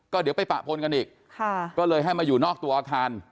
ก็เดี๋ยวไปปะพลกันอีกก็เลยให้มาอยู่นอกตัวอาคาร